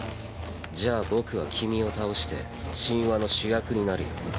じゃあ僕は君を倒して神話の主役になるよ。